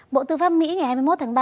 bộ tư pháp mỹ ngày hai mươi một tháng ba